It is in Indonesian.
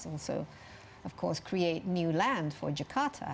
dan juga menciptakan tanah baru untuk jakarta